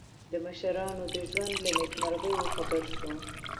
د مشرانو د ژوند له نېکمرغیو خبر شو.